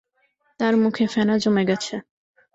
তাঁর মুখে ফেনা জমে গেছে।